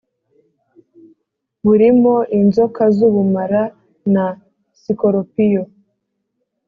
burimo inzoka z’ubumara na sikorupiyo,